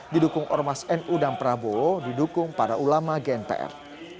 didukung ormas nu dan prabowo didukung para ulama gnpf